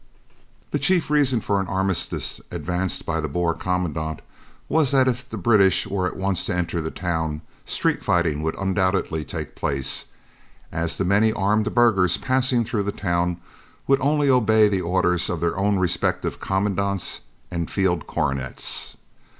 The chief reason for an armistice advanced by the Boer Commandant was that if the British were at once to enter the town, street fighting would undoubtedly take place, as the many armed burghers passing through the town would only obey the orders of their own respective Commandants and Field cornets.